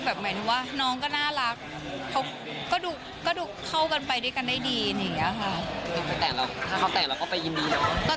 แบบหมายถึงว่าน้องก็น่ารักเขาก็ดุเข้ากันไปด้วยกันได้ดีเนี่ยค่ะ